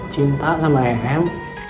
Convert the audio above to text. cinta sama em